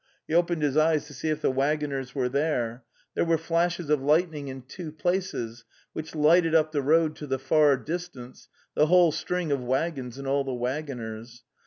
He opened his eyes to see if the waggoners were there. There were flashes of lightning in two places, which lighted up the road to the far distance, the whole string of waggons and all the waggoners.